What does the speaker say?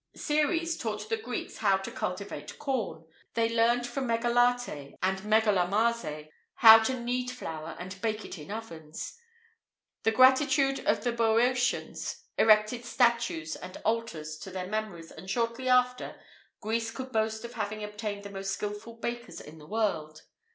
Ceres taught the Greeks how to cultivate corn; they learned from Megalarte and Megalomaze how to knead flour and bake it in ovens.[IV 23] The gratitude of the Bœotians erected statues and altars to their memories, and shortly after, Greece could boast of having obtained the most skilful bakers in the world.